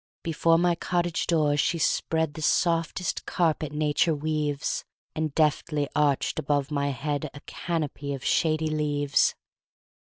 Before my cottage door she spreadThe softest carpet nature weaves, And deftly arched above my headA canopy of shady leaves.